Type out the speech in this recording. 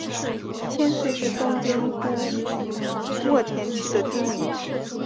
千岁是东京都墨田区的町名。